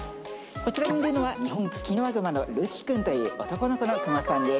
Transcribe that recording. こちらにいるのはニホンツキノワグマの瑠希くんという男の子のクマさんです